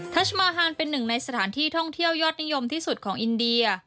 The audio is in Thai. ชัชมาฮานเป็นหนึ่งในสถานที่ท่องเที่ยวยอดนิยมที่สุดของอินเดีย